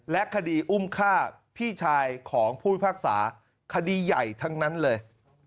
คดีอุ้มฆ่าพี่ชายของผู้พิพากษาคดีใหญ่ทั้งนั้นเลย